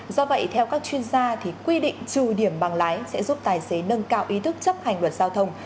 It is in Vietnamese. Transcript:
do vậy theo các chuyên gia thì quy định trừ điểm bằng lái sẽ giúp tài xế nâng cao ý thức chấp hành luật giao thông